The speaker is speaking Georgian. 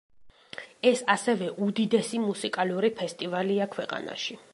ეს ასევე უდიდესი მუსიკალური ფესტივალია ქვეყანაში.